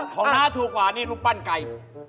ของหน้าถูกกว่านี่ลูกปั้นไก่